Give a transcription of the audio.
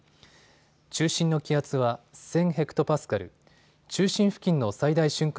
中心の気圧は１０００ｈＰａ、中心付近の最大瞬間